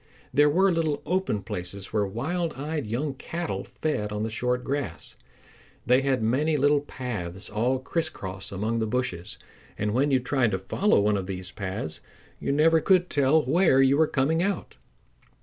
There were little open places where wild eyed young cattle fed on the short grass. They had made many little paths all crisscross among the bushes, and when you tried to follow one of these paths you never could tell where you were coming out.